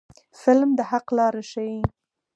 فلم د حق لاره ښيي